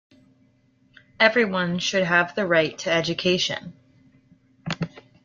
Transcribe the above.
Everyone should have the right to education.